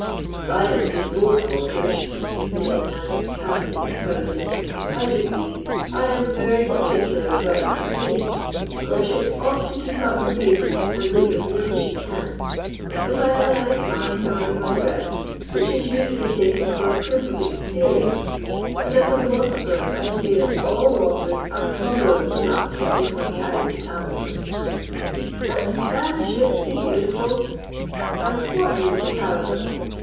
"I have seen most waters," the Dane announced calmly and proudly. "As you see, I am very particular about my paint, for a ship ought to keep up her beauty and look as young as she can. But I have an ice mark around my breast which is usually taken for a proof of experience, and as a philosopher I say that all waters are tolerable enough if one carries the talisman." "But can a ship be beautiful?" and "What is the talisman?"